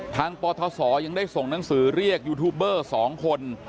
ปทศยังได้ส่งหนังสือเรียกยูทูบเบอร์๒คน